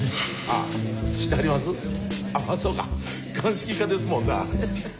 あっそうか鑑識課ですもんなハハハハ。